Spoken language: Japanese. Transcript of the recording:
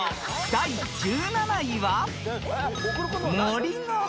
［第１７位は］